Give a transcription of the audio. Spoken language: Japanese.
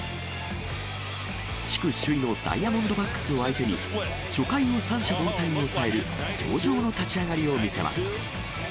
地区首位のダイヤモンドバックスを相手に、初回を三者凡退に抑える上々の立ち上がりを見せます。